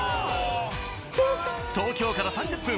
東京から３０分。